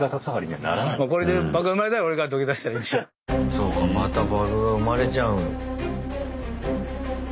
そうかまたバグが生まれちゃう。